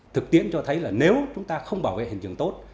thực tiễn cho thấy là nếu chúng ta không bảo vệ hiện trường tốt